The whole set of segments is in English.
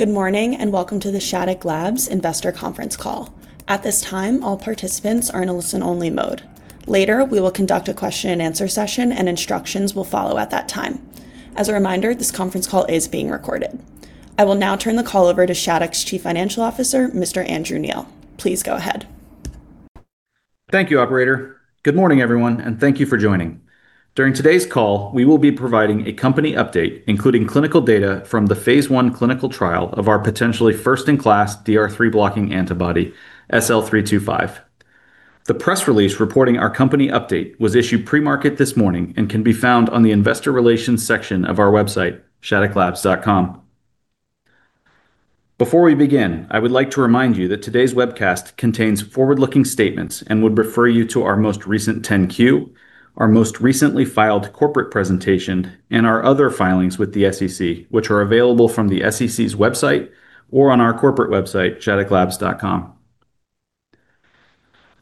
Good morning. Welcome to the Shattuck Labs investor conference call. At this time, all participants are in a listen-only mode. Later, we will conduct a question-and-answer session. Instructions will follow at that time. As a reminder, this conference call is being recorded. I will now turn the call over to Shattuck's Chief Financial Officer, Mr. Andrew Neill. Please go ahead. Thank you, operator. Good morning, everyone. Thank you for joining. During today's call, we will be providing a company update, including clinical data from the phase I clinical trial of our potentially first-in-class DR3 blocking antibody, SL-325. The press release reporting our company update was issued pre-market this morning and can be found on the investor relations section of our website, shattucklabs.com. Before we begin, I would like to remind you that today's webcast contains forward-looking statements. I would refer you to our most recent 10-Q, our most recently filed corporate presentation, and our other filings with the SEC, which are available from the SEC's website or on our corporate website, shattucklabs.com.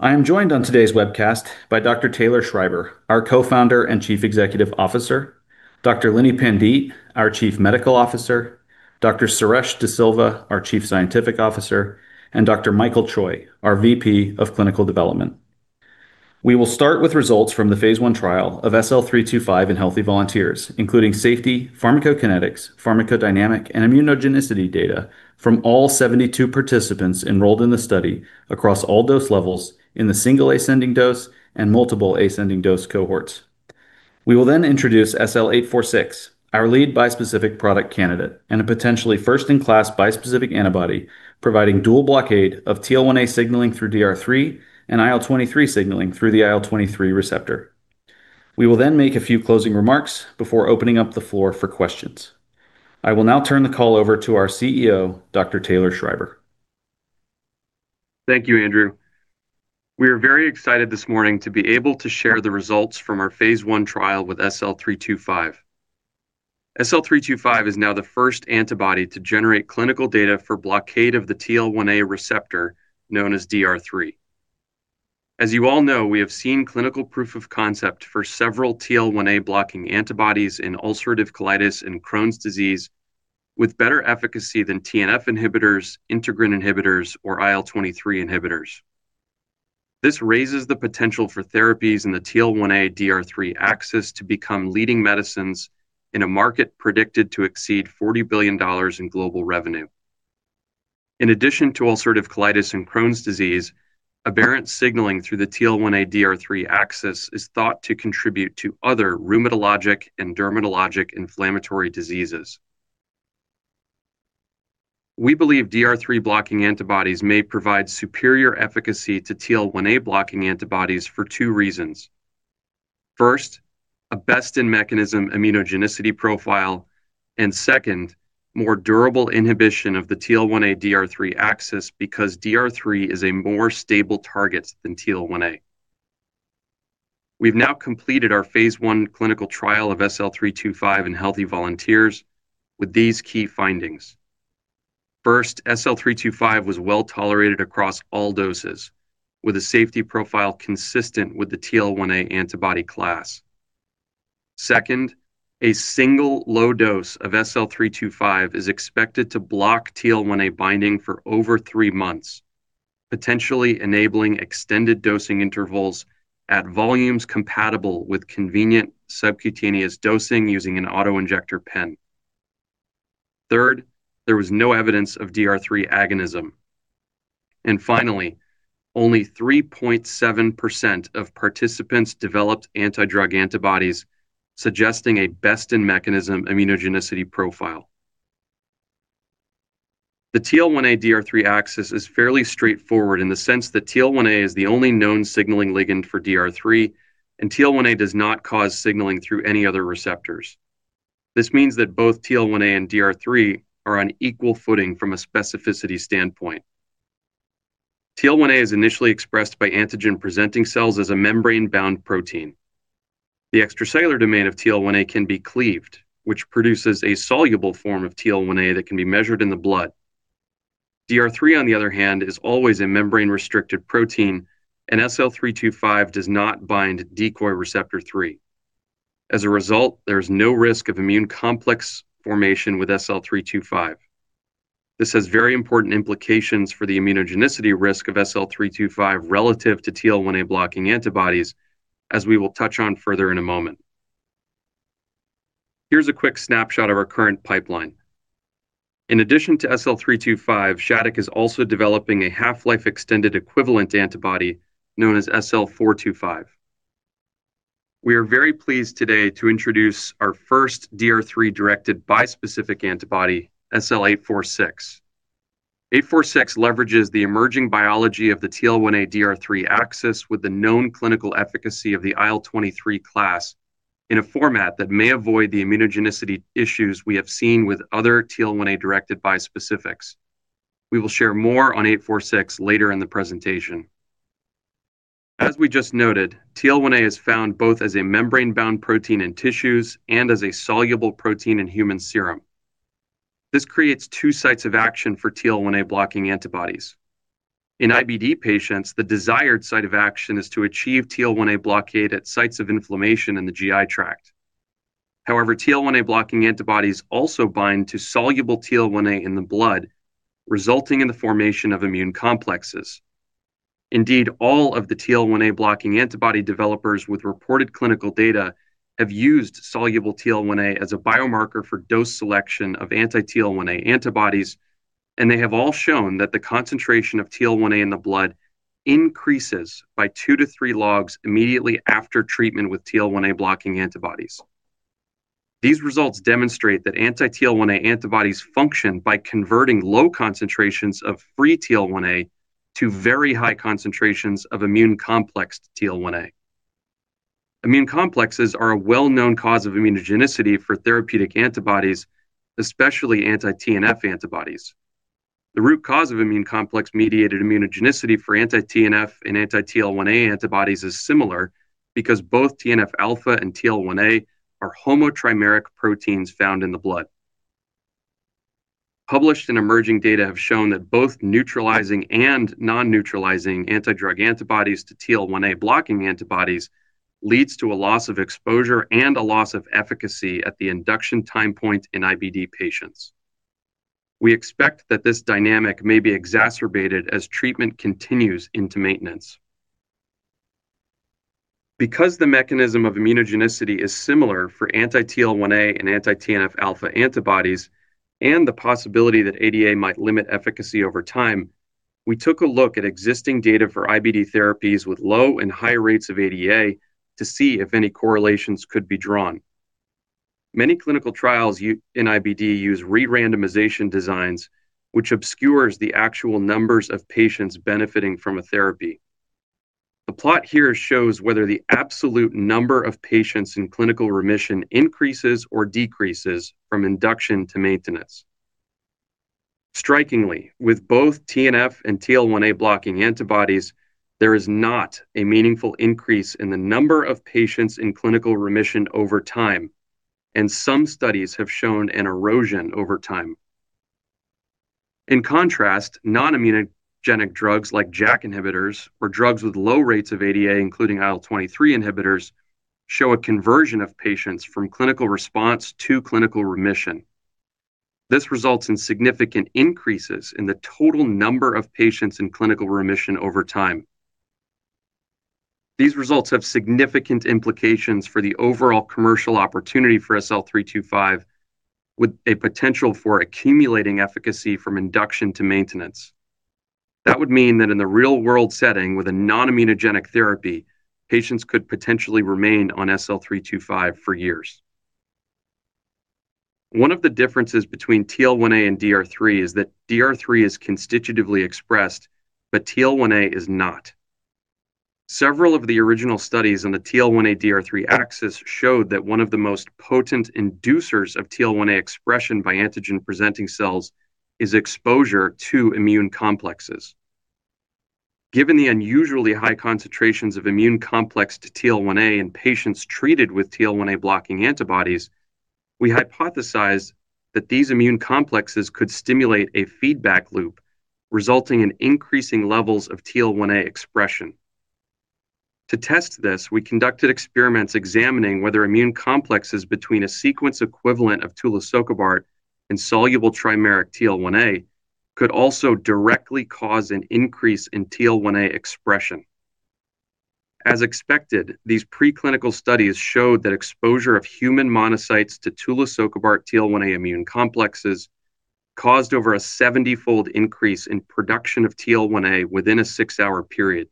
I am joined on today's webcast by Dr. Taylor Schreiber, our co-founder and Chief Executive Officer, Dr. Lini Pandite, our Chief Medical Officer, Dr. Suresh de Silva, our Chief Scientific Officer, and Dr. Michael Choi, our VP of Clinical Development. We will start with results from the phase I trial of SL-325 in healthy volunteers, including safety, pharmacokinetics, pharmacodynamic, and immunogenicity data from all 72 participants enrolled in the study across all dose levels in the single-ascending-dose and multiple-ascending-dose cohorts. We will introduce SL-846, our lead bispecific product candidate and a potentially first-in-class bispecific antibody providing dual blockade of TL1A signaling through DR3 and IL-23 signaling through the IL-23 receptor. We will make a few closing remarks before opening up the floor for questions. I will now turn the call over to our CEO, Dr. Taylor Schreiber. Thank you, Andrew. We are very excited this morning to be able to share the results from our phase I trial with SL-325. SL-325 is now the first antibody to generate clinical data for blockade of the TL1A receptor, known as DR3. As you all know, we have seen clinical proof of concept for several TL1A blocking antibodies in ulcerative colitis and Crohn's disease with better efficacy than TNF inhibitors, integrin inhibitors, or IL-23 inhibitors. This raises the potential for therapies in the TL1A/DR3 axis to become leading medicines in a market predicted to exceed $40 billion in global revenue. In addition to ulcerative colitis and Crohn's disease, aberrant signaling through the TL1A/DR3 axis is thought to contribute to other rheumatologic and dermatologic inflammatory diseases. We believe DR3 blocking antibodies may provide superior efficacy to TL1A blocking antibodies for two reasons. First, a best-in-mechanism immunogenicity profile. Second, more durable inhibition of the TL1A/DR3 axis because DR3 is a more stable target than TL1A. We've now completed our phase I clinical trial of SL-325 in healthy volunteers with these key findings. First, SL-325 was well-tolerated across all doses, with a safety profile consistent with the TL1A antibody class. Second, a single low dose of SL-325 is expected to block TL1A binding for over three months, potentially enabling extended dosing intervals at volumes compatible with convenient subcutaneous dosing using an auto-injector pen. Third, there was no evidence of DR3 agonism. Finally, only 3.7% of participants developed anti-drug antibodies, suggesting a best-in-mechanism immunogenicity profile. The TL1A/DR3 axis is fairly straightforward in the sense that TL1A is the only known signaling ligand for DR3. TL1A does not cause signaling through any other receptors. This means that both TL1A and DR3 are on equal footing from a specificity standpoint. TL1A is initially expressed by antigen-presenting cells as a membrane-bound protein. The extracellular domain of TL1A can be cleaved, which produces a soluble form of TL1A that can be measured in the blood. DR3, on the other hand, is always a membrane-restricted protein. SL-325 does not bind decoy receptor 3. As a result, there is no risk of immune complex formation with SL-325. This has very important implications for the immunogenicity risk of SL-325 relative to TL1A-blocking antibodies, as we will touch on further in a moment. Here's a quick snapshot of our current pipeline. In addition to SL-325, Shattuck is also developing a half-life extended equivalent antibody known as SL-425. We are very pleased today to introduce our first DR3-directed bispecific antibody, SL-846. 846 leverages the emerging biology of the TL1A/DR3 axis with the known clinical efficacy of the IL-23 class in a format that may avoid the immunogenicity issues we have seen with other TL1A-directed bispecifics. We will share more on 846 later in the presentation. As we just noted, TL1A is found both as a membrane-bound protein in tissues and as a soluble protein in human serum. This creates two sites of action for TL1A-blocking antibodies. In IBD patients, the desired site of action is to achieve TL1A blockade at sites of inflammation in the GI tract. However, TL1A-blocking antibodies also bind to soluble TL1A in the blood, resulting in the formation of immune complexes. All of the TL1A-blocking antibody developers with reported clinical data have used soluble TL1A as a biomarker for dose selection of anti-TL1A antibodies. They have all shown that the concentration of TL1A in the blood increases by two to three logs immediately after treatment with TL1A-blocking antibodies. These results demonstrate that anti-TL1A antibodies function by converting low concentrations of free TL1A to very high concentrations of immune complexed TL1A. Immune complexes are a well-known cause of immunogenicity for therapeutic antibodies, especially anti-TNF antibodies. The root cause of immune complex-mediated immunogenicity for anti-TNF and anti-TL1A antibodies is similar because both TNF-alpha and TL1A are homotrimeric proteins found in the blood. Published and emerging data have shown that both neutralizing and non-neutralizing anti-drug antibodies to TL1A-blocking antibodies leads to a loss of exposure and a loss of efficacy at the induction time point in IBD patients. We expect that this dynamic may be exacerbated as treatment continues into maintenance. Because the mechanism of immunogenicity is similar for anti-TL1A and anti-TNF-alpha antibodies, and the possibility that ADA might limit efficacy over time, we took a look at existing data for IBD therapies with low and high rates of ADA to see if any correlations could be drawn. Many clinical trials in IBD use re-randomization designs, which obscures the actual numbers of patients benefiting from a therapy. The plot here shows whether the absolute number of patients in clinical remission increases or decreases from induction to maintenance. Strikingly, with both TNF and TL1A-blocking antibodies, there is not a meaningful increase in the number of patients in clinical remission over time, and some studies have shown an erosion over time. In contrast, non-immunogenic drugs like JAK inhibitors or drugs with low rates of ADA, including IL-23 inhibitors, show a conversion of patients from clinical response to clinical remission. This results in significant increases in the total number of patients in clinical remission over time. These results have significant implications for the overall commercial opportunity for SL-325, with a potential for accumulating efficacy from induction to maintenance. That would mean that in the real-world setting with a non-immunogenic therapy, patients could potentially remain on SL-325 for years. One of the differences between TL1A and DR3 is that DR3 is constitutively expressed, but TL1A is not. Several of the original studies on the TL1A/DR3 axis showed that one of the most potent inducers of TL1A expression by antigen-presenting cells is exposure to immune complexes. Given the unusually high concentrations of immune complex to TL1A in patients treated with TL1A-blocking antibodies, we hypothesized that these immune complexes could stimulate a feedback loop, resulting in increasing levels of TL1A expression. To test this, we conducted experiments examining whether immune complexes between a sequence equivalent of tulisokibart and soluble trimeric TL1A could also directly cause an increase in TL1A expression. As expected, these preclinical studies showed that exposure of human monocytes to tulisokibart TL1A immune complexes caused over a 70-fold increase in production of TL1A within a six-hour period.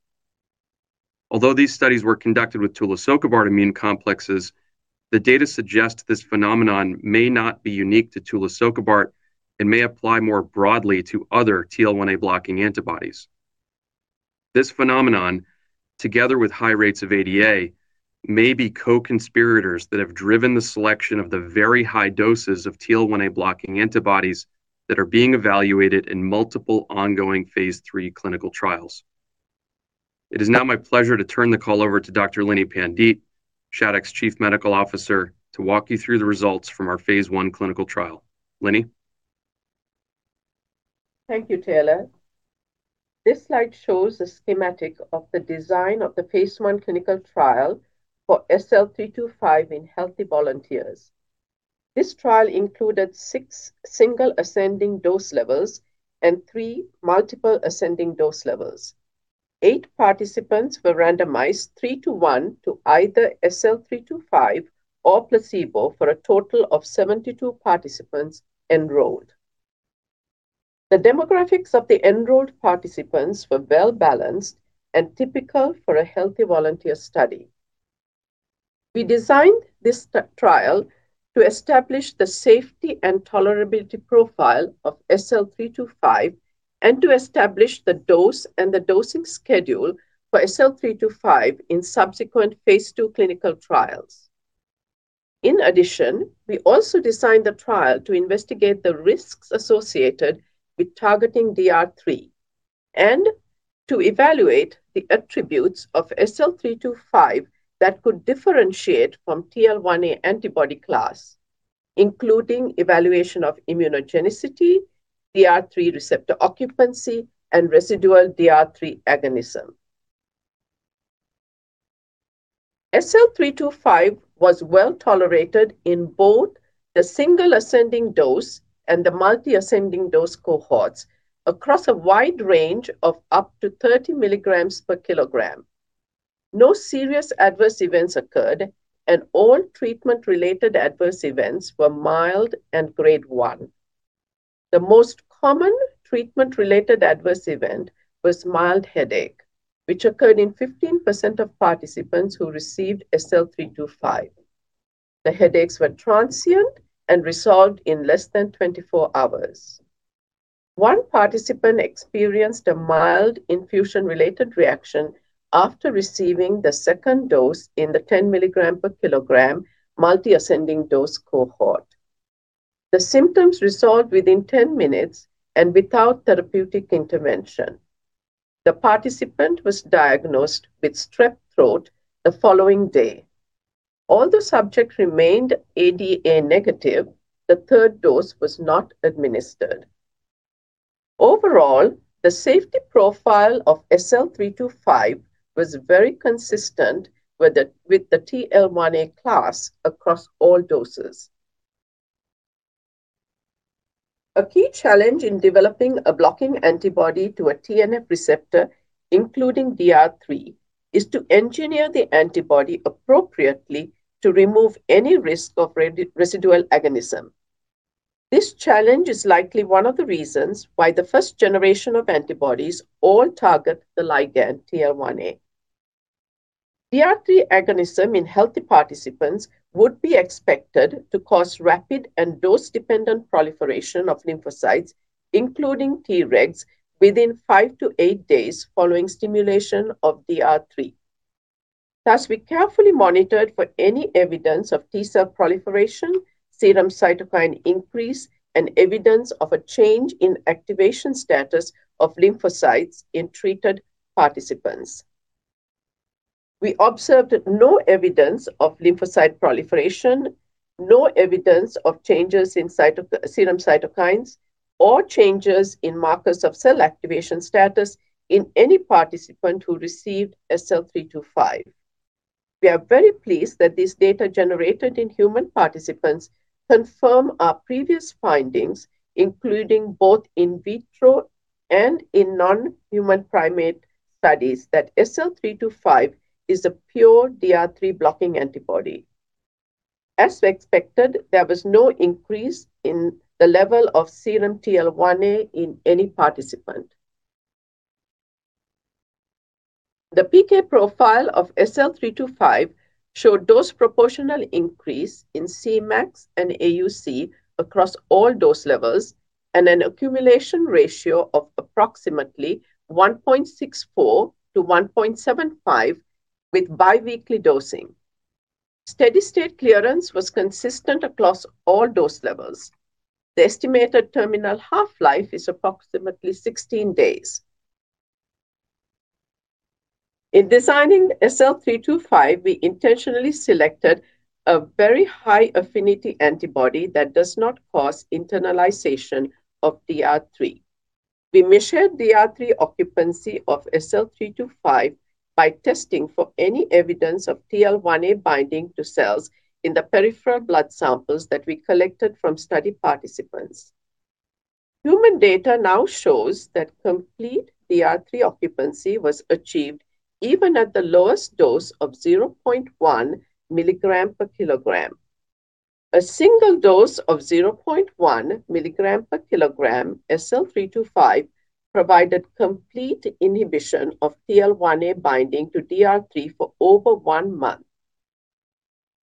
Although these studies were conducted with tulisokibart immune complexes, the data suggest this phenomenon may not be unique to tulisokibart and may apply more broadly to other TL1A-blocking antibodies. This phenomenon, together with high rates of ADA, may be co-conspirators that have driven the selection of the very high doses of TL1A-blocking antibodies that are being evaluated in multiple ongoing phase III clinical trials. It is now my pleasure to turn the call over to Dr. Lini Pandite, Shattuck's Chief Medical Officer, to walk you through the results from our phase I clinical trial. Lini? Thank you, Taylor. This slide shows a schematic of the design of the phase I clinical trial for SL-325 in healthy volunteers. This trial included six single ascending dose levels and three multiple ascending dose levels. Eight participants were randomized 3:1 to either SL-325 or placebo for a total of 72 participants enrolled. The demographics of the enrolled participants were well-balanced and typical for a healthy volunteer study. We designed this trial to establish the safety and tolerability profile of SL-325 and to establish the dose and the dosing schedule for SL-325 in subsequent phase II clinical trials. In addition, we also designed the trial to investigate the risks associated with targeting DR3 and to evaluate the attributes of SL-325 that could differentiate from TL1A antibody class, including evaluation of immunogenicity, DR3 receptor occupancy, and residual DR3 agonism. SL-325 was well-tolerated in both the single ascending dose and the multi-ascending dose cohorts across a wide range of up to 30 milligrams per kilogram. No serious adverse events occurred, and all treatment-related adverse events were mild and grade 1. The most common treatment-related adverse event was mild headache, which occurred in 15% of participants who received SL-325. The headaches were transient and resolved in less than 24 hours. One participant experienced a mild infusion-related reaction after receiving the second dose in the 10-milligram per kilogram multi-ascending dose cohort. The symptoms resolved within 10 minutes and without therapeutic intervention. The participant was diagnosed with strep throat the following day. Although subject remained ADA negative, the third dose was not administered. Overall, the safety profile of SL-325 was very consistent with the TL1A class across all doses. A key challenge in developing a blocking antibody to a TNF receptor, including DR3, is to engineer the antibody appropriately to remove any risk of residual agonism. This challenge is likely one of the reasons why the first generation of antibodies all target the ligand TL1A. DR3 agonism in healthy participants would be expected to cause rapid and dose-dependent proliferation of lymphocytes, including Tregs, within five to eight days following stimulation of DR3. We carefully monitored for any evidence of T cell proliferation, serum cytokine increase, and evidence of a change in activation status of lymphocytes in treated participants. We observed no evidence of lymphocyte proliferation, no evidence of changes in serum cytokines, or changes in markers of cell activation status in any participant who received SL-325. We are very pleased that these data generated in human participants confirm our previous findings, including both in vitro and in non-human primate studies, that SL-325 is a pure DR3 blocking antibody. As we expected, there was no increase in the level of serum TL1A in any participant. The PK profile of SL-325 showed dose proportional increase in Cmax and AUC across all dose levels, and an accumulation ratio of approximately 1.64 to 1.75 with biweekly dosing. Steady-state clearance was consistent across all dose levels. The estimated terminal half-life is approximately 16 days. In designing SL-325, we intentionally selected a very high-affinity antibody that does not cause internalization of DR3. We measured DR3 occupancy of SL-325 by testing for any evidence of TL1A binding to cells in the peripheral blood samples that we collected from study participants. Human data now shows that complete DR3 occupancy was achieved even at the lowest dose of 0.1 milligram per kilogram. A single dose of 0.1 milligram per kilogram SL-325 provided complete inhibition of TL1A binding to DR3 for over one month.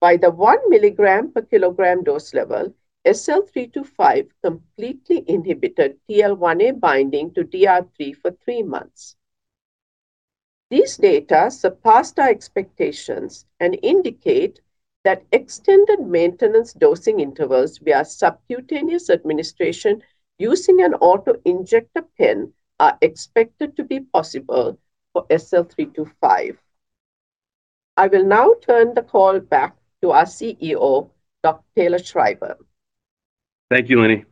By the 1 milligram per kilogram dose level, SL-325 completely inhibited TL1A binding to DR3 for three months. These data surpassed our expectations and indicate that extended maintenance dosing intervals via subcutaneous administration using an auto-injector pen are expected to be possible for SL-325. I will now turn the call back to our CEO, Dr. Taylor Schreiber. Thank you, Lini.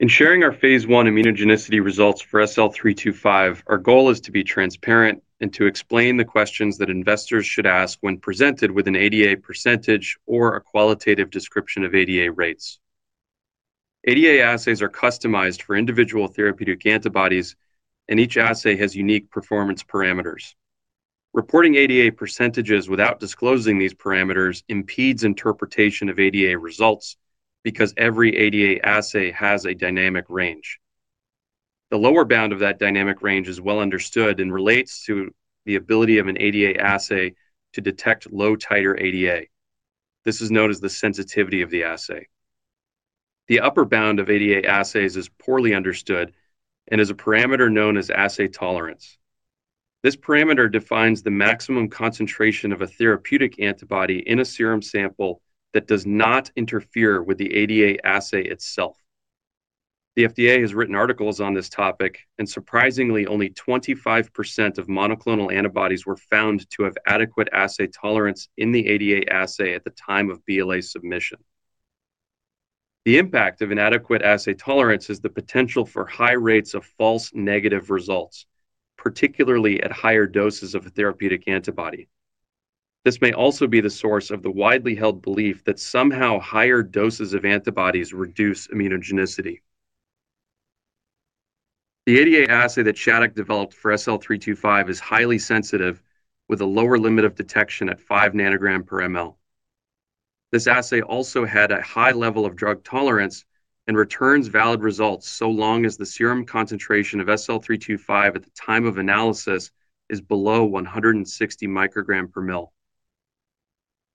In sharing our phase I immunogenicity results for SL-325, our goal is to be transparent and to explain the questions that investors should ask when presented with an ADA % or a qualitative description of ADA rates. ADA assays are customized for individual therapeutic antibodies, and each assay has unique performance parameters. Reporting ADA % without disclosing these parameters impedes interpretation of ADA results because every ADA assay has a dynamic range. The lower bound of that dynamic range is well understood and relates to the ability of an ADA assay to detect low-titer ADA. This is known as the sensitivity of the assay. The upper bound of ADA assays is poorly understood and is a parameter known as assay tolerance. This parameter defines the maximum concentration of a therapeutic antibody in a serum sample that does not interfere with the ADA assay itself. The FDA has written articles on this topic, surprisingly, only 25% of monoclonal antibodies were found to have adequate assay tolerance in the ADA assay at the time of BLA submission. The impact of inadequate assay tolerance is the potential for high rates of false negative results, particularly at higher doses of a therapeutic antibody. This may also be the source of the widely held belief that somehow higher doses of antibodies reduce immunogenicity. The ADA assay that Shattuck developed for SL-325 is highly sensitive, with a lower limit of detection at 5 nanograms per ml. This assay also had a high level of drug tolerance and returns valid results so long as the serum concentration of SL-325 at the time of analysis is below 160 micrograms per ml.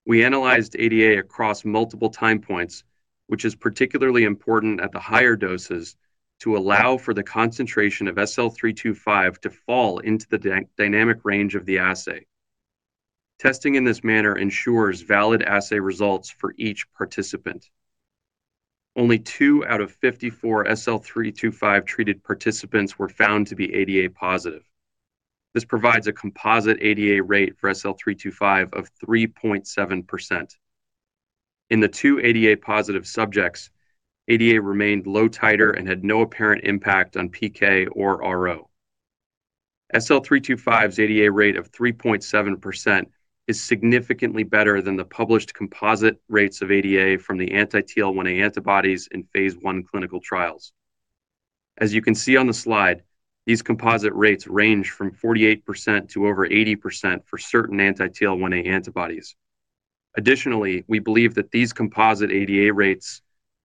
We analyzed ADA across multiple time points, which is particularly important at the higher doses to allow for the concentration of SL-325 to fall into the dynamic range of the assay. Testing in this manner ensures valid assay results for each participant. Only two out of 54 SL-325-treated participants were found to be ADA positive. This provides a composite ADA rate for SL-325 of 3.7%. In the two ADA-positive subjects, ADA remained low titer and had no apparent impact on PK or RO. SL-325's ADA rate of 3.7% is significantly better than the published composite rates of ADA from the anti-TL1A antibodies in phase I clinical trials. As you can see on the slide, these composite rates range from 48% to over 80% for certain anti-TL1A antibodies. Additionally, we believe that these composite ADA rates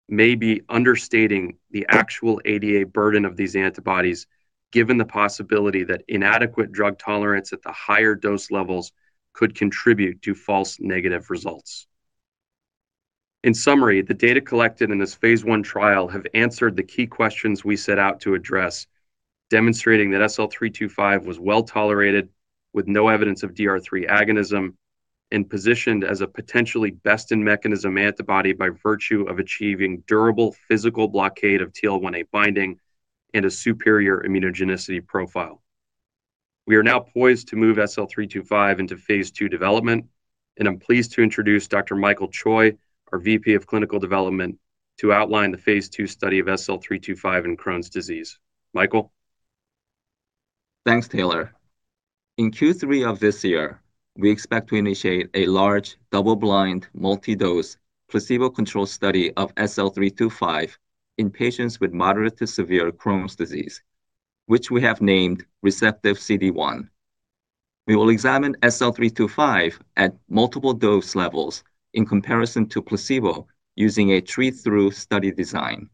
may be understating the actual ADA burden of these antibodies, given the possibility that inadequate drug tolerance at the higher dose levels could contribute to false negative results. In summary, the data collected in this phase I trial have answered the key questions we set out to address, demonstrating that SL-325 was well-tolerated with no evidence of DR3 agonism and positioned as a potentially best-in-mechanism antibody by virtue of achieving durable physical blockade of TL1A binding and a superior immunogenicity profile. We are now poised to move SL-325 into phase II development. I am pleased to introduce Dr. Michael Choi, our VP of Clinical Development, to outline the phase II study of SL-325 in Crohn's disease. Michael? Thanks, Taylor. In Q3 of this year, we expect to initiate a large, double-blind, multi-dose, placebo-controlled study of SL-325 in patients with moderate to severe Crohn's disease, which we have named RECEPTIVE-CD1. We will examine SL-325 at multiple dose levels in comparison to placebo using a treat-through study design.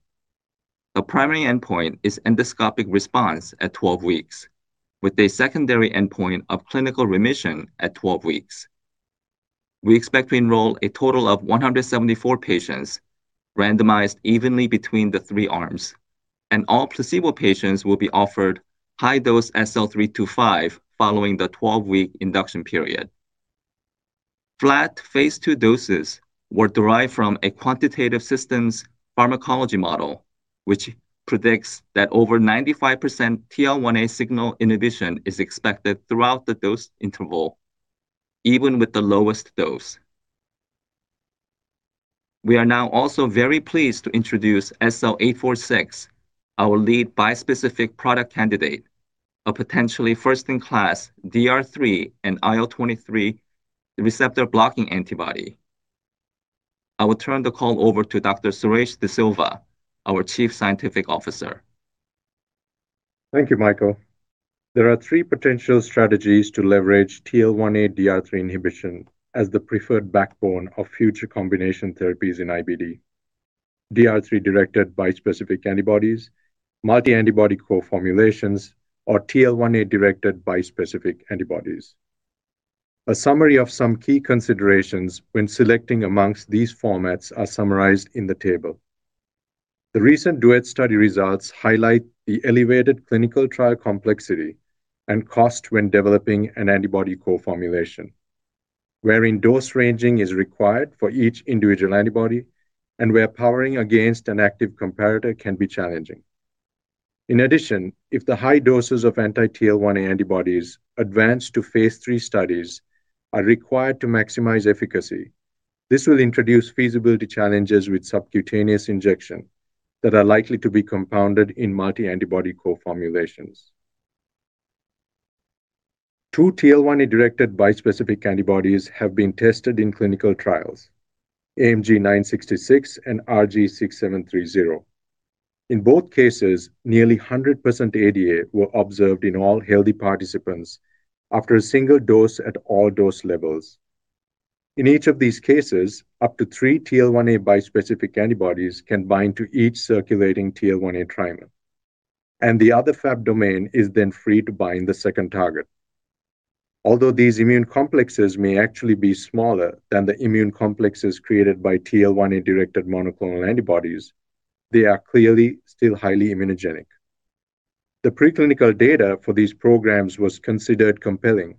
The primary endpoint is endoscopic response at 12 weeks, with a secondary endpoint of clinical remission at 12 weeks. We expect to enroll a total of 174 patients randomized evenly between the three arms, and all placebo patients will be offered high-dose SL-325 following the 12-week induction period. Flat phase II doses were derived from a quantitative systems pharmacology model, which predicts that over 95% TL1A signal inhibition is expected throughout the dose interval, even with the lowest dose. We are now also very pleased to introduce SL-846, our lead bispecific product candidate, a potentially first-in-class DR3 and IL-23 receptor blocking antibody. I will turn the call over to Dr. Suresh de Silva, our Chief Scientific Officer. Thank you, Michael. There are three potential strategies to leverage TL1A DR3 inhibition as the preferred backbone of future combination therapies in IBD. DR3-directed bispecific antibodies, multi-antibody co-formulations, or TL1A-directed bispecific antibodies. A summary of some key considerations when selecting amongst these formats are summarized in the table. The recent DUET study results highlight the elevated clinical trial complexity and cost when developing an antibody co-formulation, wherein dose ranging is required for each individual antibody and where powering against an active comparator can be challenging. In addition, if the high doses of anti-TL1A antibodies advance to phase III studies are required to maximize efficacy, this will introduce feasibility challenges with subcutaneous injection that are likely to be compounded in multi-antibody co-formulations. Two TL1A-directed bispecific antibodies have been tested in clinical trials, AMG 966 and RG6730. In both cases, nearly 100% ADA were observed in all healthy participants after a single dose at all dose levels. In each of these cases, up to three TL1A bispecific antibodies can bind to each circulating TL1A trimer, and the other Fab domain is then free to bind the second target. Although these immune complexes may actually be smaller than the immune complexes created by TL1A-directed monoclonal antibodies, they are clearly still highly immunogenic. The preclinical data for these programs was considered compelling.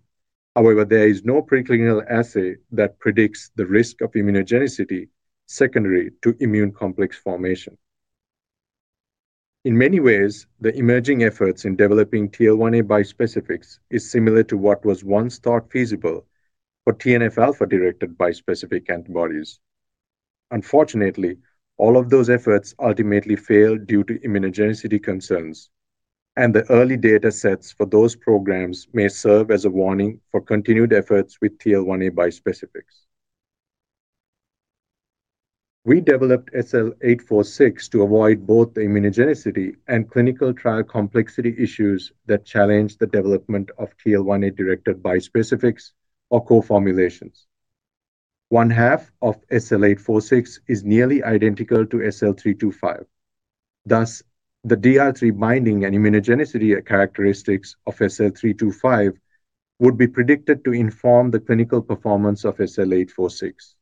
However, there is no preclinical assay that predicts the risk of immunogenicity secondary to immune complex formation. In many ways, the emerging efforts in developing TL1A bispecifics is similar to what was once thought feasible for TNF-alpha-directed bispecific antibodies. Unfortunately, all of those efforts ultimately failed due to immunogenicity concerns, and the early data sets for those programs may serve as a warning for continued efforts with TL1A bispecifics. We developed SL-846 to avoid both the immunogenicity and clinical trial complexity issues that challenge the development of TL1A-directed bispecifics or co-formulations. One half of SL-846 is nearly identical to SL-325. Thus, the DR3 binding and immunogenicity characteristics of SL-325 would be predicted to inform the clinical performance of SL-846.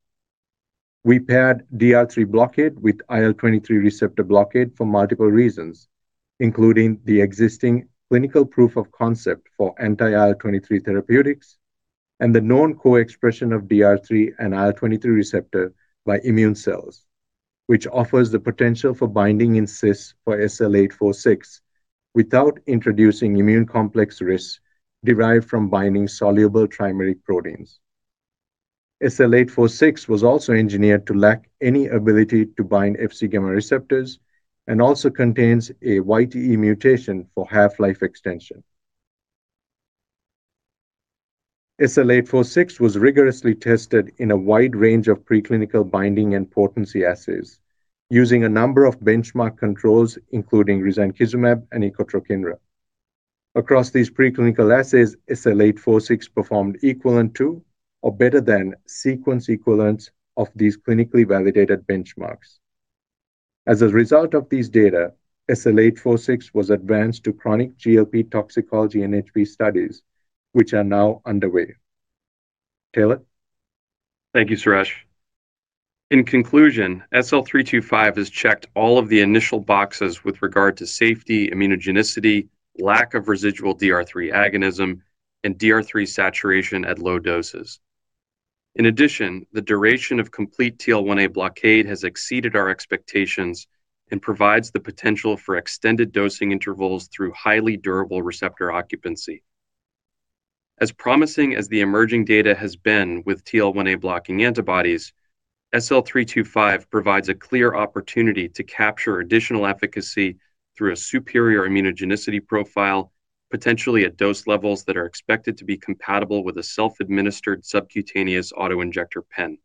We paired DR3 blockade with IL-23 receptor blockade for multiple reasons, including the existing clinical proof of concept for anti-IL-23 therapeutics and the known co-expression of DR3 and IL-23 receptor by immune cells, which offers the potential for binding in cis for SL-846 without introducing immune complex risks derived from binding soluble trimeric proteins. SL-846 was also engineered to lack any ability to bind Fc gamma receptors and also contains a YTE mutation for half-life extension. SL-846 was rigorously tested in a wide range of preclinical binding and potency assays using a number of benchmark controls, including risankizumab and etrasimod. Across these preclinical assays, SL-846 performed equal to or better than sequence equivalents of these clinically validated benchmarks. As a result of these data, SL-846 was advanced to chronic GLP toxicology and PK studies, which are now underway. Taylor? Thank you, Suresh. In conclusion, SL-325 has checked all of the initial boxes with regard to safety, immunogenicity, lack of residual DR3 agonism, and DR3 saturation at low doses. In addition, the duration of complete TL1A blockade has exceeded our expectations and provides the potential for extended dosing intervals through highly durable receptor occupancy. As promising as the emerging data has been with TL1A-blocking antibodies, SL-325 provides a clear opportunity to capture additional efficacy through a superior immunogenicity profile, potentially at dose levels that are expected to be compatible with a self-administered subcutaneous auto-injector pen.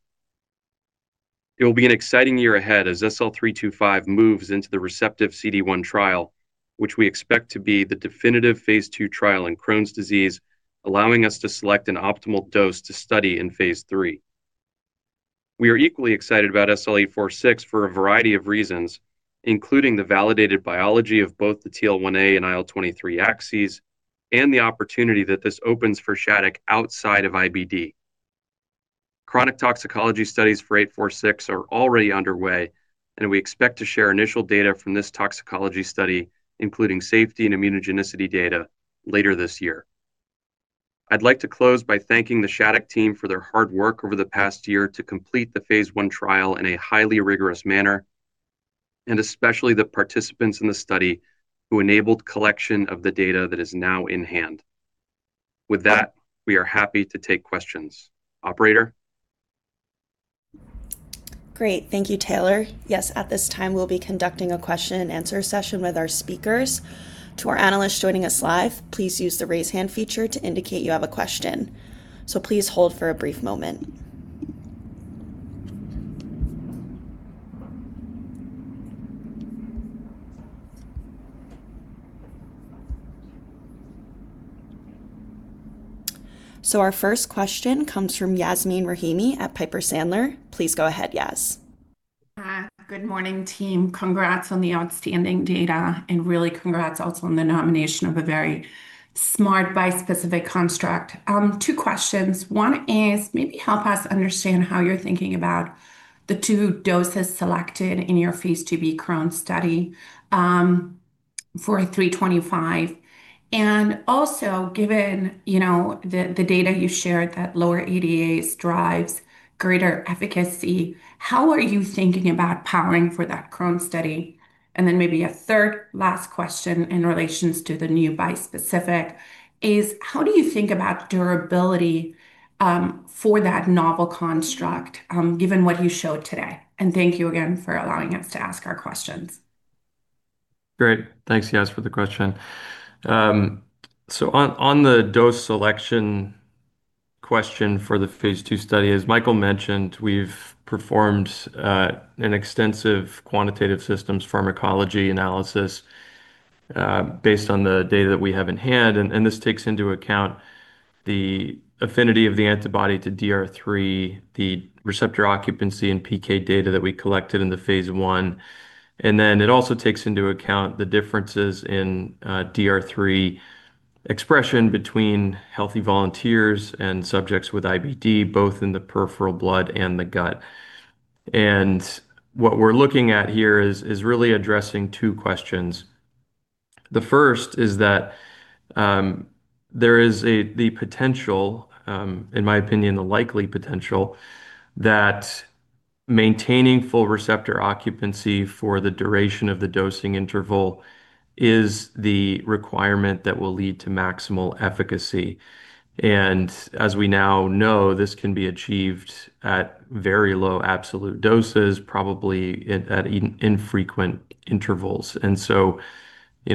It will be an exciting year ahead as SL-325 moves into the RECEPTIVE-CD1 trial, which we expect to be the definitive phase II trial in Crohn's disease, allowing us to select an optimal dose to study in phase III. We are equally excited about SL-846 for a variety of reasons, including the validated biology of both the TL1A and IL-23 axes and the opportunity that this opens for Shattuck outside of IBD. Chronic toxicology studies for SL-846 are already underway, and we expect to share initial data from this toxicology study, including safety and immunogenicity data, later this year. I'd like to close by thanking the Shattuck team for their hard work over the past year to complete the phase I trial in a highly rigorous manner, and especially the participants in the study who enabled collection of the data that is now in hand. With that, we are happy to take questions. Operator? Great. Thank you, Taylor. At this time, we'll be conducting a question and answer session with our speakers. To our analysts joining us live, please use the raise hand feature to indicate you have a question. Please hold for a brief moment. Our first question comes from Yasmeen Rahimi at Piper Sandler. Please go ahead, Yas. Hi. Good morning, team. Congrats on the outstanding data, really congrats also on the nomination of a very smart bispecific construct. Two questions. One is maybe help us understand how you're thinking about the two doses selected in your phase II-B Crohn's study for SL-325. Also, given the data you shared that lower ADAs drives greater efficacy, how are you thinking about powering for that Crohn's study? Then maybe a third last question in relations to the new bispecific is how do you think about durability for that novel construct given what you showed today? Thank you again for allowing us to ask our questions. Great. Thanks, Yas, for the question. On the dose selection question for the phase II study, as Michael mentioned, we've performed an extensive quantitative systems pharmacology analysis based on the data that we have in hand, and this takes into account the affinity of the antibody to DR3, the receptor occupancy, and PK data that we collected in the phase I. Then it also takes into account the differences in DR3 expression between healthy volunteers and subjects with IBD, both in the peripheral blood and the gut. What we're looking at here is really addressing two questions. The first is that there is the potential, in my opinion, the likely potential, that maintaining full receptor occupancy for the duration of the dosing interval is the requirement that will lead to maximal efficacy. As we now know, this can be achieved at very low absolute doses, probably at infrequent intervals. The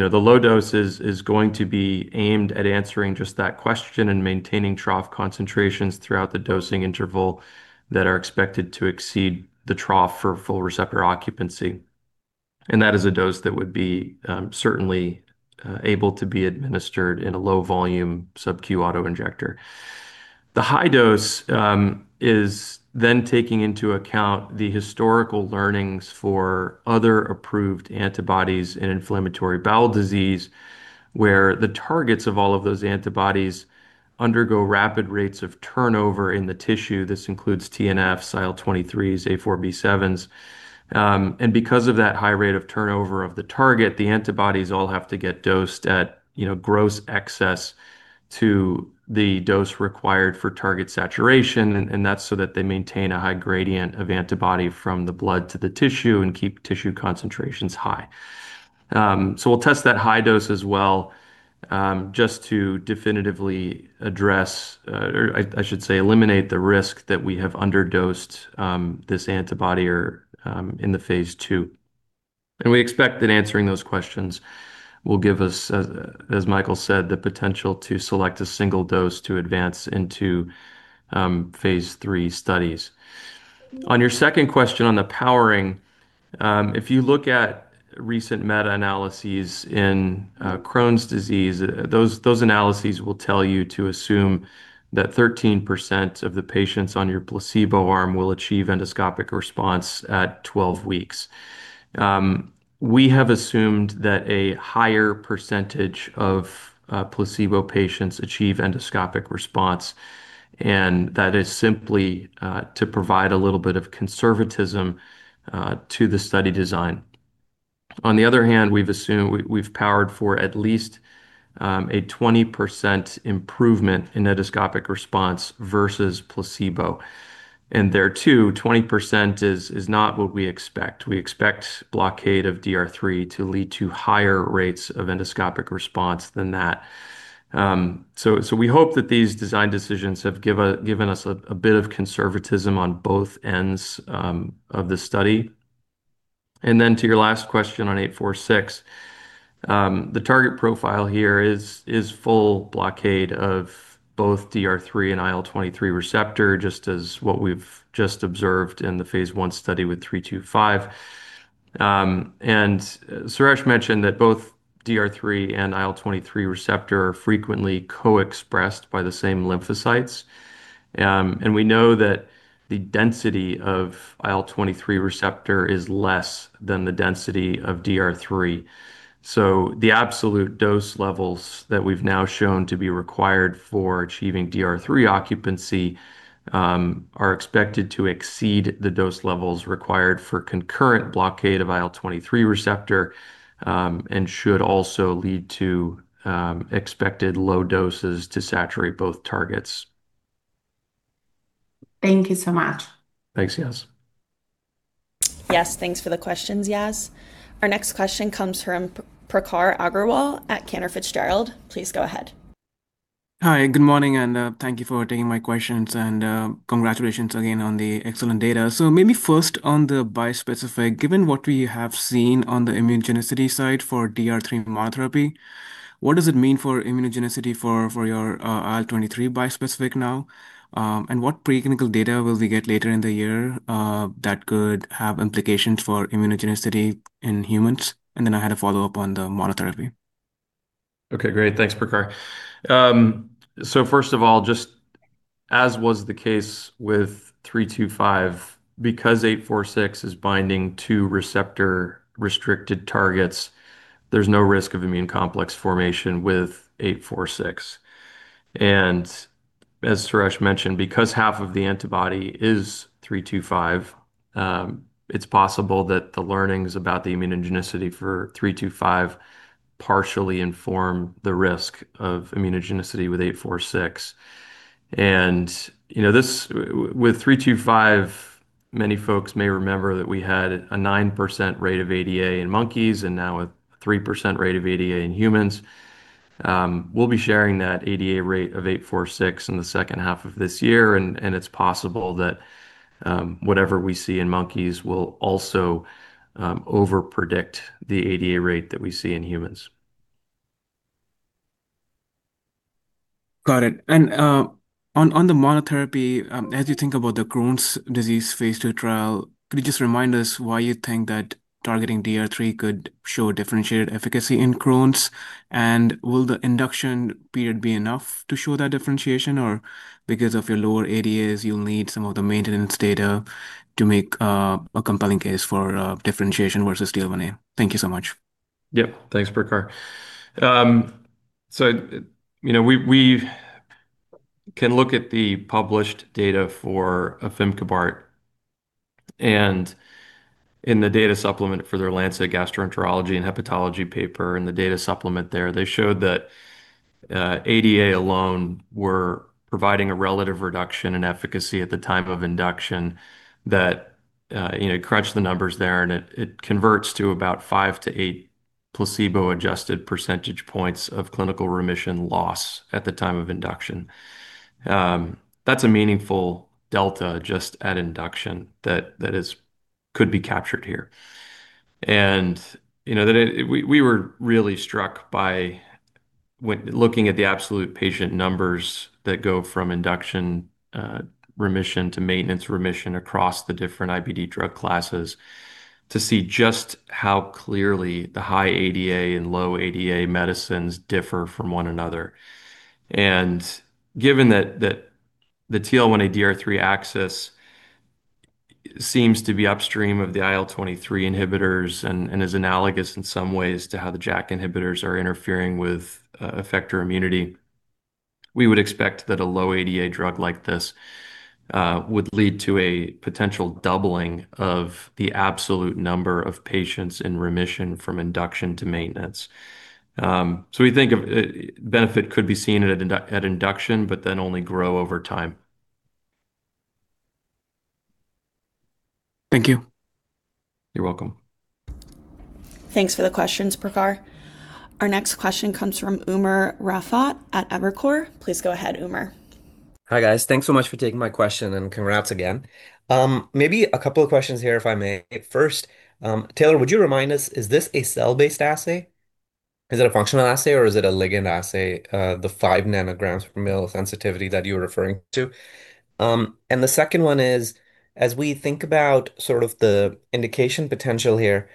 low dose is going to be aimed at answering just that question and maintaining trough concentrations throughout the dosing interval that are expected to exceed the trough for full receptor occupancy. That is a dose that would be certainly able to be administered in a low volume subq auto-injector. The high dose is taking into account the historical learnings for other approved antibodies in inflammatory bowel disease, where the targets of all of those antibodies undergo rapid rates of turnover in the tissue. This includes TNF, IL-23s, α4β7s. Because of that high rate of turnover of the target, the antibodies all have to get dosed at gross excess to the dose required for target saturation. That's so that they maintain a high gradient of antibody from the blood to the tissue and keep tissue concentrations high. We'll test that high dose as well, just to definitively address, or I should say, eliminate the risk that we have underdosed this antibody in the phase II. We expect that answering those questions will give us, as Michael said, the potential to select a single dose to advance into phase III studies. On your second question on the powering, if you look at recent meta-analyses in Crohn's disease, those analyses will tell you to assume that 13% of the patients on your placebo arm will achieve endoscopic response at 12 weeks. We have assumed that a higher percentage of placebo patients achieve endoscopic response, that is simply to provide a little bit of conservatism to the study design. On the other hand, we've powered for at least a 20% improvement in endoscopic response versus placebo. There too, 20% is not what we expect. We expect blockade of DR3 to lead to higher rates of endoscopic response than that. We hope that these design decisions have given us a bit of conservatism on both ends of the study. To your last question on SL-846, the target profile here is full blockade of both DR3 and IL-23 receptor, just as what we've just observed in the phase I study with SL-325. Suresh mentioned that both DR3 and IL-23 receptor are frequently co-expressed by the same lymphocytes. We know that the density of IL-23 receptor is less than the density of DR3. The absolute dose levels that we've now shown to be required for achieving DR3 occupancy are expected to exceed the dose levels required for concurrent blockade of IL-23 receptor, and should also lead to expected low doses to saturate both targets. Thank you so much. Thanks, Yas. Yes, thanks for the questions, Yas. Our next question comes from Prakhar Agrawal at Cantor Fitzgerald. Please go ahead. Hi, good morning, and thank you for taking my questions, and congratulations again on the excellent data. Maybe first on the bispecific, given what we have seen on the immunogenicity side for DR3 monotherapy, what does it mean for immunogenicity for your IL-23 bispecific now? What preclinical data will we get later in the year that could have implications for immunogenicity in humans? Then I had a follow-up on the monotherapy. Okay, great. Thanks, Prakhar. First of all, just as was the case with 325, because 846 is binding two receptor-restricted targets, there's no risk of immune complex formation with 846. As Suresh mentioned, because half of the antibody is 325, it's possible that the learnings about the immunogenicity for 325 partially inform the risk of immunogenicity with 846. With 325, many folks may remember that we had a 9% rate of ADA in monkeys, and now a 3% rate of ADA in humans. We'll be sharing that ADA rate of 846 in the second half of this year, and it's possible that whatever we see in monkeys will also over-predict the ADA rate that we see in humans. Got it. On the monotherapy, as you think about the Crohn's disease phase II trial, could you just remind us why you think that targeting DR3 could show differentiated efficacy in Crohn's? Will the induction period be enough to show that differentiation? Or because of your lower ADAs, you'll need some of the maintenance data to make a compelling case for differentiation versus TL1A? Thank you so much. Yep. Thanks, Prakhar. We've looked at the published data for afimkibart, and in the data supplement for their The Lancet Gastroenterology & Hepatology paper, in the data supplement there, they showed that ADA alone were providing a relative reduction in efficacy at the time of induction that crunched the numbers there, and it converts to about five to eight placebo-adjusted percentage points of clinical remission loss at the time of induction. That's a meaningful delta just at induction that could be captured here. We were really struck by looking at the absolute patient numbers that go from induction remission to maintenance remission across the different IBD drug classes to see just how clearly the high ADA and low ADA medicines differ from one another. Given that the TL1A DR3 axis seems to be upstream of the IL-23 inhibitors and is analogous in some ways to how the JAK inhibitors are interfering with effector immunity, we would expect that a low ADA drug like this would lead to a potential doubling of the absolute number of patients in remission from induction to maintenance. We think benefit could be seen at induction, but then only grow over time. Thank you. You're welcome. Thanks for the questions, Prakhar. Our next question comes from Umer Raffat at Evercore ISI. Please go ahead, Umer. Hi, guys. Thanks so much for taking my question, congrats again. Maybe a couple of questions here, if I may. First, Taylor, would you remind us, is this a cell-based assay? Is it a functional assay, or is it a ligand assay, the five nanograms per mil sensitivity that you were referring to? The second one is, as we think about sort of the indication potential here,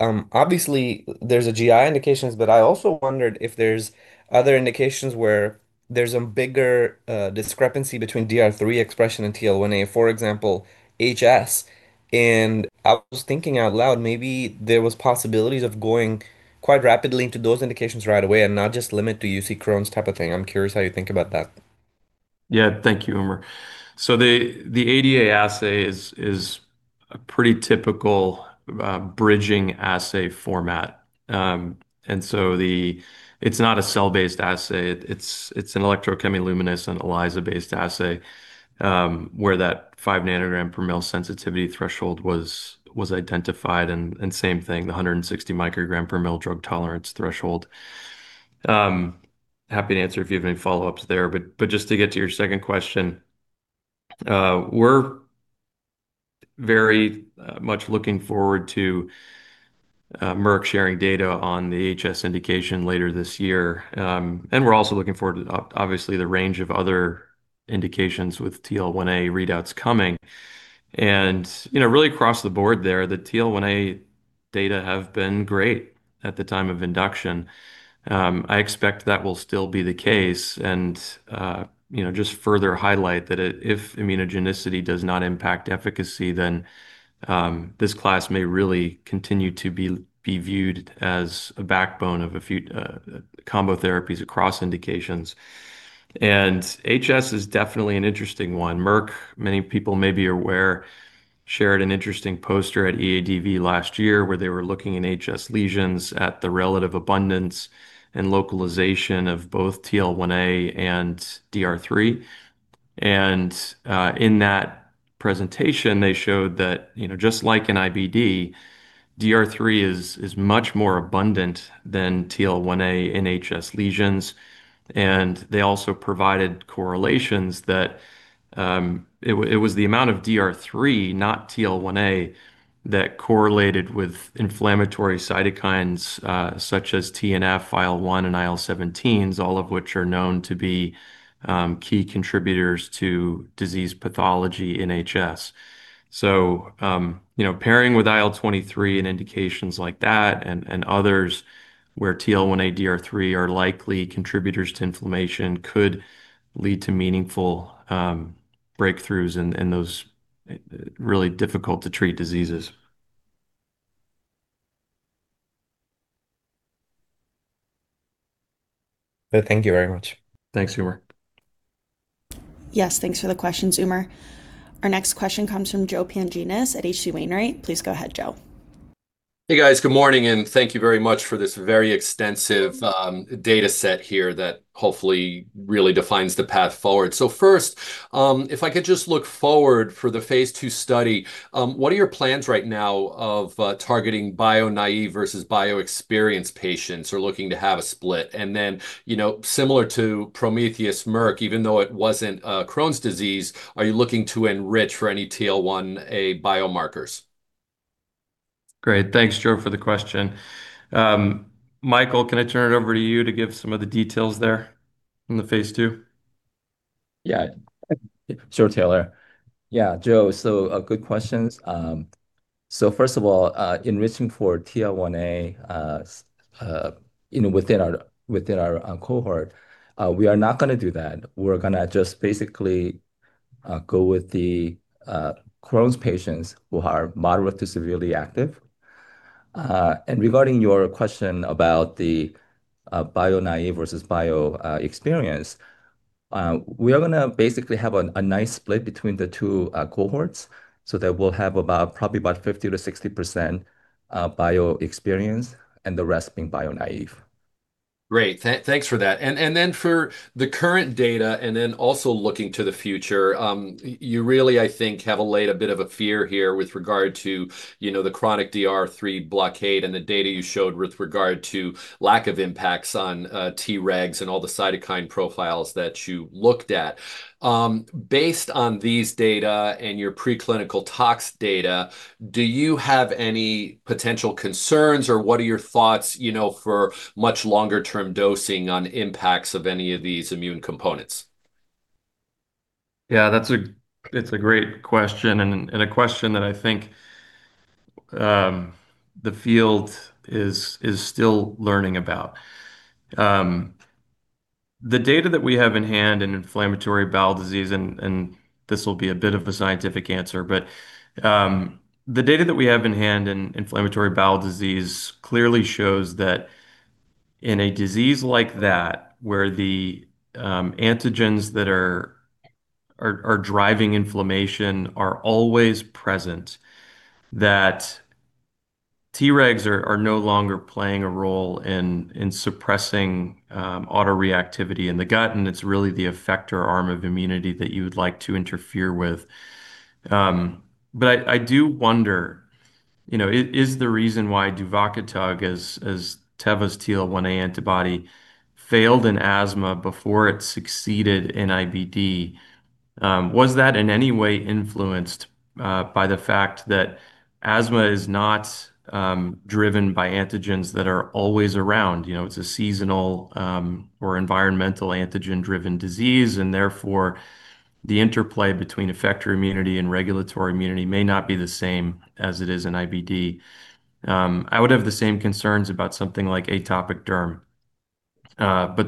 obviously there's a GI indications, but I also wondered if there's other indications where there's a bigger discrepancy between DR3 expression and TL1A. For example, HS. I was thinking out loud, maybe there was possibilities of going quite rapidly into those indications right away and not just limit to UC Crohn's type of thing. I'm curious how you think about that. Thank you, Umer. The ADA assay is a pretty typical bridging assay format. It's not a cell-based assay. It's an electrochemiluminescent ELISA-based assay, where that five nanogram per mil sensitivity threshold was identified and same thing, the 160 microgram per mil drug tolerance threshold. Happy to answer if you have any follow-ups there, just to get to your second question, we're very much looking forward to Merck sharing data on the HS indication later this year. We're also looking forward to, obviously, the range of other indications with TL1A readouts coming. Really across the board there, the TL1A data have been great at the time of induction. I expect that will still be the case just further highlight that if immunogenicity does not impact efficacy, this class may really continue to be viewed as a backbone of a few combo therapies across indications. HS is definitely an interesting one. Merck, many people may be aware, shared an interesting poster at EADV last year where they were looking in HS lesions at the relative abundance and localization of both TL1A and DR3. In that presentation, they showed that just like in IBD, DR3 is much more abundant than TL1A in HS lesions. They also provided correlations that it was the amount of DR3, not TL1A, that correlated with inflammatory cytokines such as TNF, IL-1, and IL-17s, all of which are known to be key contributors to disease pathology in HS. Pairing with IL-23 in indications like that and others where TL1A, DR3 are likely contributors to inflammation could lead to meaningful breakthroughs in those really difficult-to-treat diseases. Thank you very much. Thanks, Umer. Yes, thanks for the questions, Umer. Our next question comes from Joe Pantginis at H.C. Wainwright. Please go ahead, Joe. Hey, guys. Good morning, and thank you very much for this very extensive data set here that hopefully really defines the path forward. First, if I could just look forward for the phase II study, what are your plans right now of targeting bio-naive versus bio-experienced patients or looking to have a split? And then similar to Prometheus Merck, even though it wasn't Crohn's disease, are you looking to enrich for any TL1A biomarkers? Great. Thanks, Joe, for the question. Michael, can I turn it over to you to give some of the details there on the phase II? Sure, Taylor. Joe, good questions. First of all, enriching for TL1A within our cohort, we are not going to do that. We're going to just basically go with the Crohn's patients who are moderate to severely active. Regarding your question about the bio-naive versus bio-experienced, we are going to basically have a nice split between the two cohorts so that we'll have probably about 50%-60% bio-experienced and the rest being bio-naive. Great. Thanks for that. For the current data and then also looking to the future, you really, I think, have allayed a bit of a fear here with regard to the chronic DR3 blockade and the data you showed with regard to lack of impacts on Tregs and all the cytokine profiles that you looked at. Based on these data and your preclinical tox data, do you have any potential concerns or what are your thoughts for much longer-term dosing on impacts of any of these immune components? That's a great question and a question that I think the field is still learning about. The data that we have in hand in inflammatory bowel disease, and this will be a bit of a scientific answer, but the data that we have in hand in inflammatory bowel disease clearly shows that in a disease like that, where the antigens that are driving inflammation are always present, that Tregs are no longer playing a role in suppressing autoreactivity in the gut, and it's really the effector arm of immunity that you would like to interfere with. I do wonder, is the reason why duvakitug, as Teva's TL1A antibody, failed in asthma before it succeeded in IBD, was that in any way influenced by the fact that asthma is not driven by antigens that are always around? It's a seasonal or environmental antigen-driven disease. Therefore, the interplay between effector immunity and regulatory immunity may not be the same as it is in IBD. I would have the same concerns about something like atopic derm.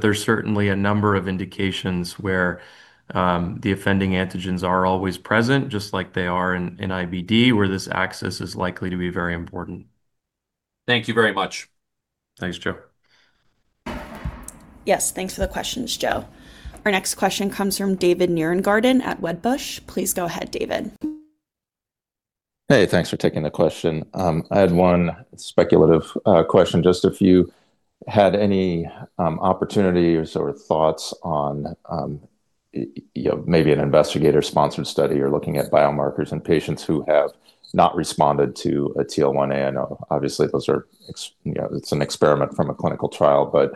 There's certainly a number of indications where the offending antigens are always present, just like they are in IBD, where this axis is likely to be very important. Thank you very much. Thanks, Joe. Yes. Thanks for the questions, Joe. Our next question comes from David Nierengarten at Wedbush. Please go ahead, David. Hey. Thanks for taking the question. I had one speculative question. Just if you had any opportunities or thoughts on maybe an investigator-sponsored study or looking at biomarkers in patients who have not responded to a TL1A. I know, obviously, it's an experiment from a clinical trial, but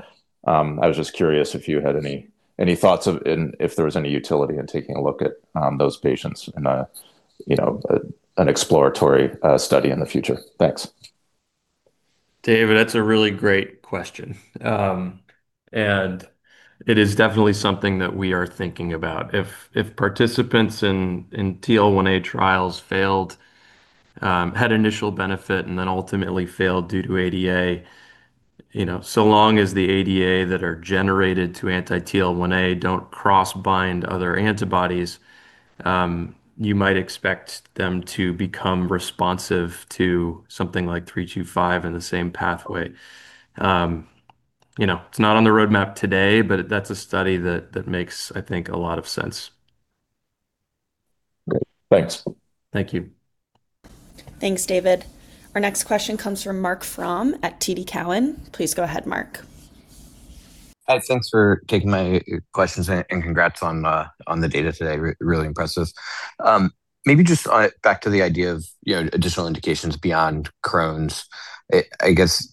I was just curious if you had any thoughts, and if there was any utility in taking a look at those patients in an exploratory study in the future. Thanks. David, that's a really great question. It is definitely something that we are thinking about. If participants in TL1A trials had initial benefit and then ultimately failed due to ADA, so long as the ADA that are generated to anti-TL1A don't cross-bind other antibodies, you might expect them to become responsive to something like 325 in the same pathway. It's not on the roadmap today, but that's a study that makes, I think, a lot of sense. Great. Thanks. Thank you. Thanks, David. Our next question comes from Marc Frahm at TD Cowen. Please go ahead, Marc. Hi. Thanks for taking my questions, congrats on the data today. Really impressive. Maybe just back to the idea of additional indications beyond Crohn's. I guess,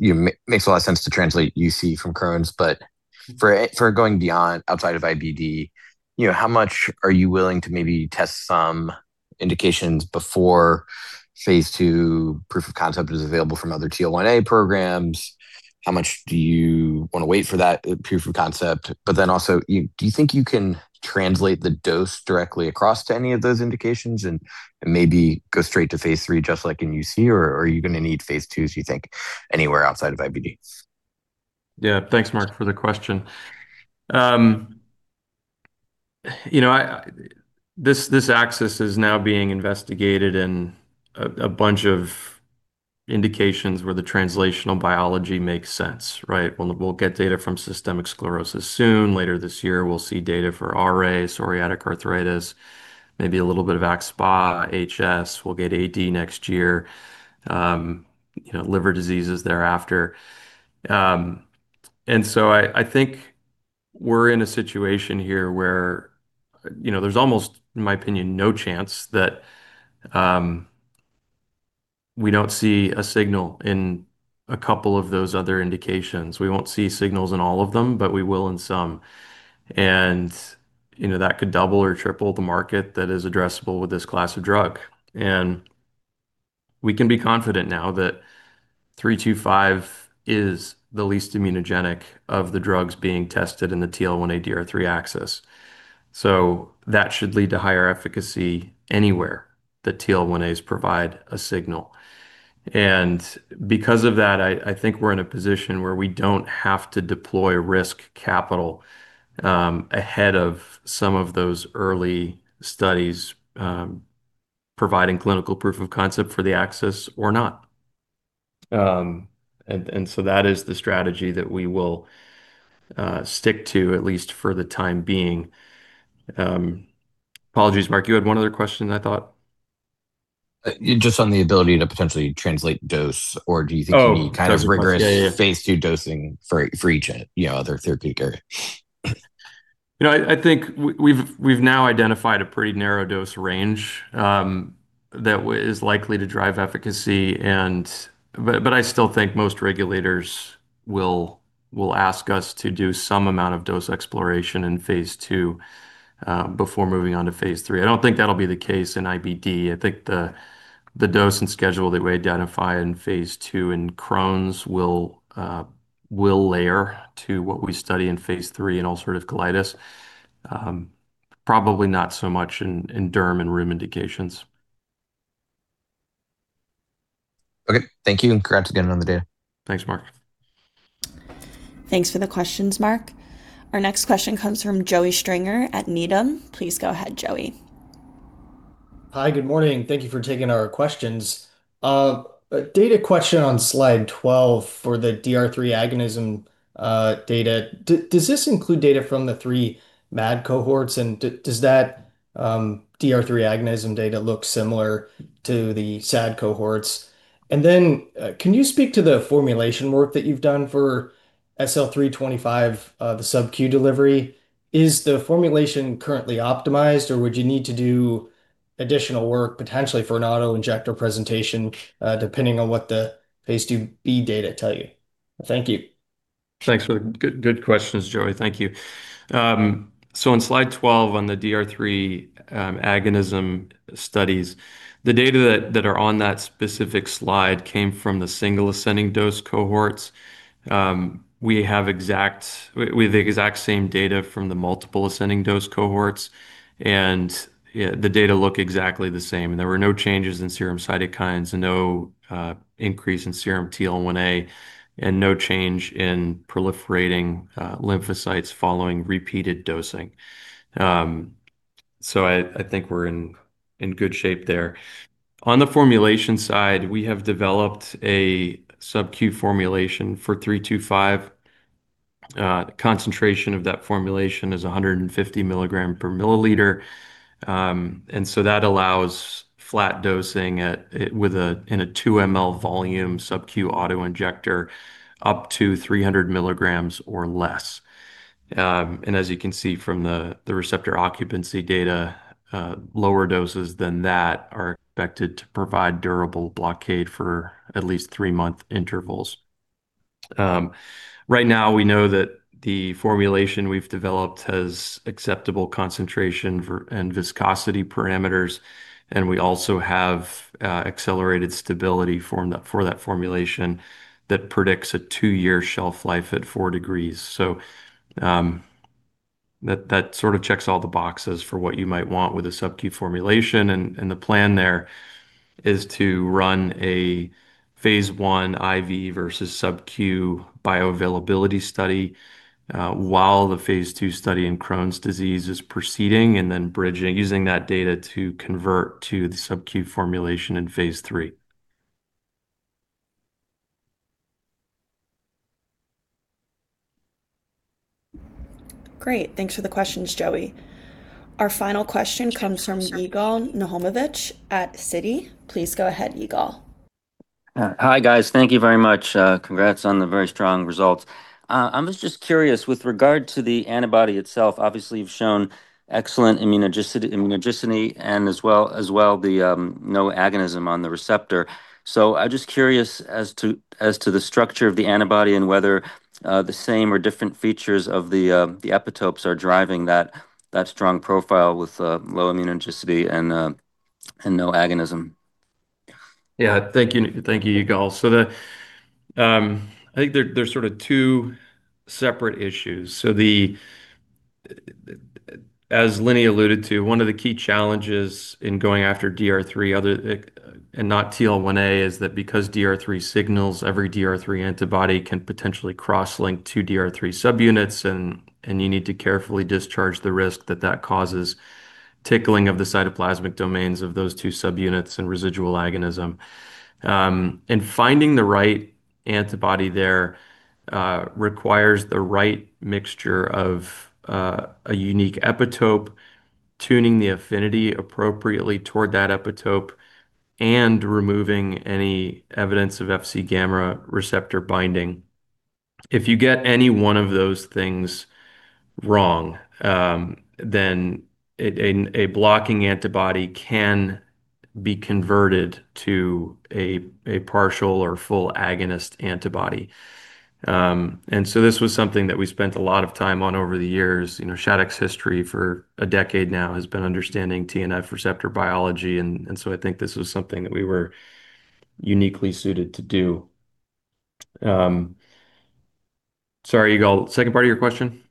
makes a lot of sense to translate UC from Crohn's, for going beyond outside of IBD, how much are you willing to maybe test some indications before phase II proof of concept is available from other TL1A programs? How much do you want to wait for that proof of concept? Also, do you think you can translate the dose directly across to any of those indications and maybe go straight to phase III, just like in UC, or are you going to need phase IIs, you think, anywhere outside of IBDs? Thanks, Marc, for the question. This axis is now being investigated in a bunch of indications where the translational biology makes sense, right? We'll get data from systemic sclerosis soon. Later this year, we'll see data for RA, psoriatic arthritis, maybe a little bit of axSpA, HS. We'll get AD next year, liver diseases thereafter. I think we're in a situation here where there's almost, in my opinion, no chance that we don't see a signal in a couple of those other indications. We won't see signals in all of them, we will in some. That could double or triple the market that is addressable with this class of drug. We can be confident now that SL-325 is the least immunogenic of the drugs being tested in the TL1A-DR3 axis. That should lead to higher efficacy anywhere the TL1As provide a signal. Because of that, I think we're in a position where we don't have to deploy risk capital ahead of some of those early studies providing clinical proof of concept for the axis or not. That is the strategy that we will stick to, at least for the time being. Apologies, Marc, you had one other question, I thought. Just on the ability to potentially translate dose, or do you think you need kind of rigorous phase II dosing for each other therapeutic area? I think we've now identified a pretty narrow dose range that is likely to drive efficacy, I still think most regulators will ask us to do some amount of dose exploration in phase II before moving on to phase III. I don't think that'll be the case in IBD. I think the dose and schedule that we identify in phase II in Crohn's will layer to what we study in phase III in ulcerative colitis. Probably not so much in derm and rheum indications. Okay, thank you, congrats again on the data. Thanks, Marc. Thanks for the questions, Marc. Our next question comes from Joey Stringer at Needham. Please go ahead, Joey. Hi, good morning. Thank you for taking our questions. A data question on slide 12 for the DR3 agonism data. Does this include data from the three MAD cohorts, and does that DR3 agonism data look similar to the SAD cohorts? Then can you speak to the formulation work that you've done for SL-325, the sub-Q delivery? Is the formulation currently optimized, or would you need to do additional work, potentially for an auto-injector presentation, depending on what the phase IIb data tell you? Thank you. Thanks for the good questions, Joey. Thank you. On Slide 12 on the DR3 agonism studies, the data that are on that specific slide came from the single ascending dose cohorts. We have the exact same data from the multiple ascending dose cohorts, and the data look exactly the same, and there were no changes in serum cytokines, no increase in serum TL1A, and no change in proliferating lymphocytes following repeated dosing. I think we're in good shape there. On the formulation side, we have developed a sub-Q formulation for 325. Concentration of that formulation is 150 mg/mL. That allows flat dosing in a 2 mL volume sub-Q auto-injector up to 300 mg or less. As you can see from the receptor occupancy data, lower doses than that are expected to provide durable blockade for at least three-month intervals. Right now, we know that the formulation we've developed has acceptable concentration and viscosity parameters. We also have accelerated stability for that formulation that predicts a two-year shelf life at four degrees. That sort of checks all the boxes for what you might want with a sub-Q formulation. The plan there is to run a phase I IV versus sub-Q bioavailability study while the phase II study in Crohn's Disease is proceeding, using that data to convert to the sub-Q formulation in phase III. Great. Thanks for the questions, Joey. Our final question comes from Yigal Nochomovitz at Citi. Please go ahead, Yigal. Hi, guys. Thank you very much. Congrats on the very strong results. I was just curious with regard to the antibody itself. Obviously, you've shown excellent immunogenicity and as well the no agonism on the receptor. I'm just curious as to the structure of the antibody and whether the same or different features of the epitopes are driving that strong profile with low immunogenicity and no agonism. Thank you, Yigal. I think there are sort of two separate issues. As Lini alluded to, one of the key challenges in going after DR3 and not TL1A is that because DR3 signals, every DR3 antibody can potentially cross-link two DR3 subunits, and you need to carefully discharge the risk that that causes tickling of the cytoplasmic domains of those two subunits and residual agonism. Finding the right antibody there requires the right mixture of a unique epitope, tuning the affinity appropriately toward that epitope, and removing any evidence of Fc gamma receptor binding. If you get any one of those things wrong, then a blocking antibody can be converted to a partial or full agonist antibody. This was something that we spent a lot of time on over the years. Shattuck's history for a decade now has been understanding TNF receptor biology. I think this was something that we were uniquely suited to do. Sorry, Yigal, second part of your question?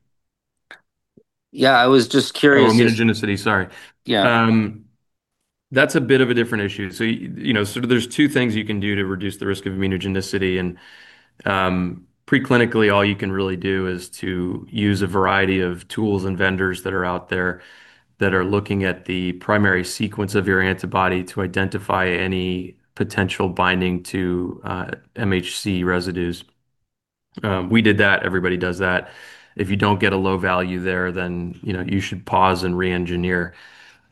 Yeah, I was just curious. Oh, immunogenicity, sorry. Yeah. That's a bit of a different issue. There's two things you can do to reduce the risk of immunogenicity, and pre-clinically, all you can really do is to use a variety of tools and vendors that are out there that are looking at the primary sequence of your antibody to identify any potential binding to MHC residues. We did that. Everybody does that. If you don't get a low value there, you should pause and re-engineer.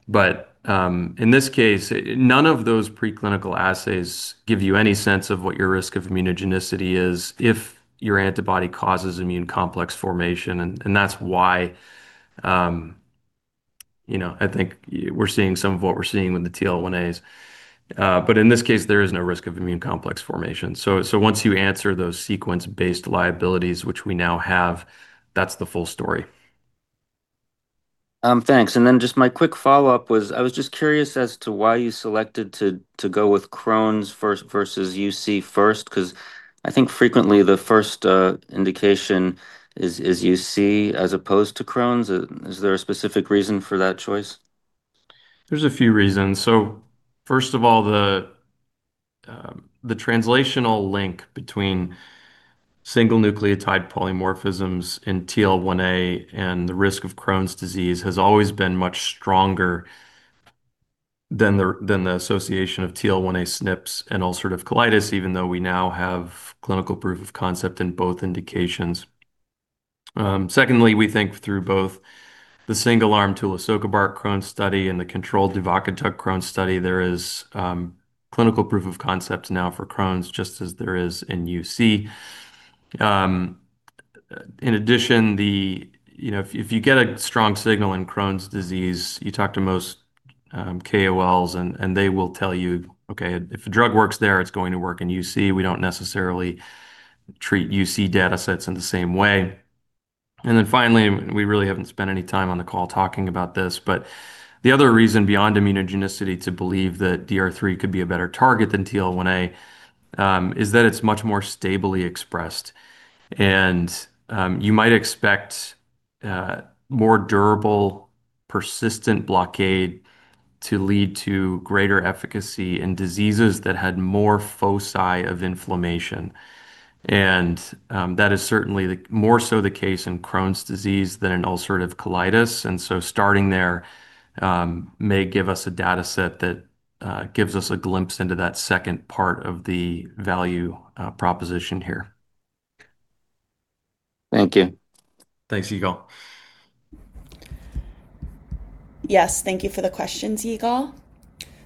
In this case, none of those pre-clinical assays give you any sense of what your risk of immunogenicity is if your antibody causes immune complex formation, and that's why I think we're seeing some of what we're seeing with the TL1As. In this case, there is no risk of immune complex formation. Once you answer those sequence-based liabilities, which we now have, that's the full story. Thanks. Just my quick follow-up was, I was just curious as to why you selected to go with Crohn's first versus UC first, because I think frequently the first indication is UC as opposed to Crohn's. Is there a specific reason for that choice? There's a few reasons. First of all, the translational link between Single Nucleotide Polymorphisms in TL1A and the risk of Crohn's disease has always been much stronger than the association of TL1A SNPs and ulcerative colitis, even though we now have clinical proof of concept in both indications. Secondly, we think through both the single-arm tulisokibart Crohn's study and the controlled duvakitug Crohn's study, there is clinical proof of concept now for Crohn's, just as there is in UC. In addition, if you get a strong signal in Crohn's disease, you talk to most KOLs, they will tell you, "Okay, if a drug works there, it's going to work in UC. We don't necessarily treat UC datasets in the same way." Finally, we really haven't spent any time on the call talking about this, but the other reason beyond immunogenicity to believe that DR3 could be a better target than TL1A, is that it's much more stably expressed. You might expect more durable, persistent blockade to lead to greater efficacy in diseases that had more foci of inflammation. That is certainly more so the case in Crohn's disease than in ulcerative colitis, starting there may give us a dataset that gives us a glimpse into that second part of the value proposition here. Thank you. Thanks, Yigal. Yes, thank you for the questions, Yigal.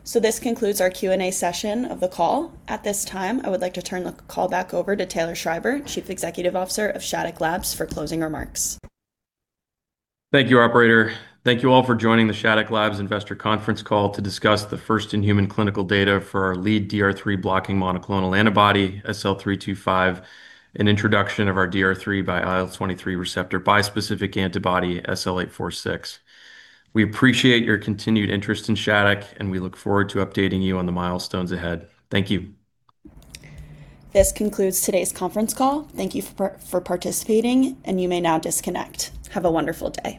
This concludes our Q&A session of the call. At this time, I would like to turn the call back over to Taylor Schreiber, Chief Executive Officer of Shattuck Labs, for closing remarks. Thank you, operator. Thank you all for joining the Shattuck Labs investor conference call to discuss the first-in-human clinical data for our lead DR3-blocking monoclonal antibody, SL-325, an introduction of our DR3 by IL-23 receptor bispecific antibody, SL-846. We appreciate your continued interest in Shattuck, and we look forward to updating you on the milestones ahead. Thank you. This concludes today's conference call. Thank you for participating, and you may now disconnect. Have a wonderful day.